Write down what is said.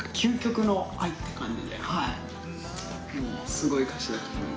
すごい歌詞だと思います。